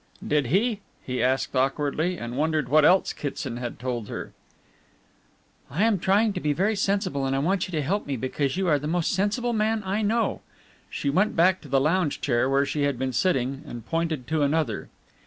"Did he?" he asked awkwardly, and wondered what else Kitson had told her. "I am trying to be very sensible, and I want you to help me, because you are the most sensible man I know." She went back to the lounge chair where she had been sitting, and pointed to another.